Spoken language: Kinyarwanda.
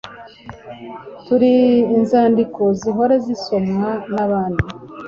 turi inzandiko zihora zisomwa n’abandi.